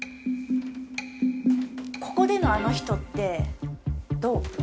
ここでのあの人ってどう？